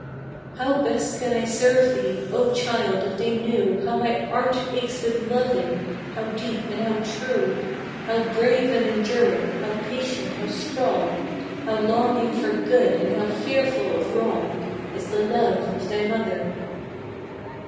How best can I serve thee? O child, if they knew How my heart aches with loving! How deep and how true, How brave and enduring, how patient, how strong, How longing for good and how fearful of wrong, Is the love of thy mother!